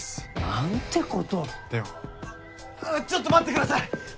何てことをではちょっと待ってください